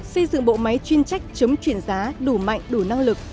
xây dựng bộ máy chuyên trách chấm chuyển giá đủ mạnh đủ năng lực